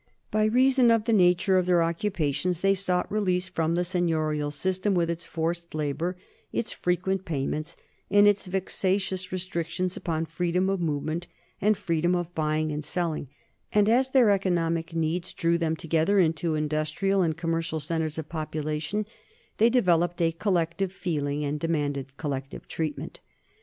By reason of the nature of their occupations they sought release from the seigniorial system, with its forced labor, its frequent payments, and its vexatious restrictions upon freedom of movement and freedom of buying and selling; and as their economic needs drew them together into industrial and commercial centres of population, they developed a collective feeling and demanded collective treatment.